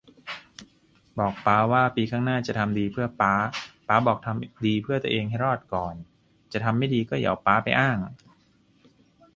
บอกป๊าว่า ปีข้างหน้า จะทำดีเพื่อป๊า ป๊าบอกทำดีเพื่อตัวเองให้รอดก่อน จะทำไม่ดีก็อย่าเอาป๊าไปอ้าง